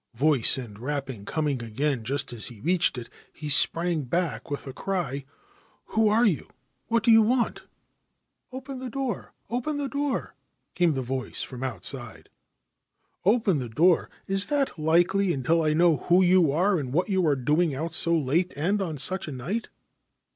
Voice and rapping coming again just as he reached it, he sprang back with a cry : 4 Who are you ? What do you want ?' 4 Open the door ! Open the door !' came the voice from outside. 4 Open the door ! Is that likely until I know who you are and what you are doing out so late and on such a night